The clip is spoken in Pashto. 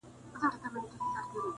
شا و خوا د تورو کاڼو کار و بار دی,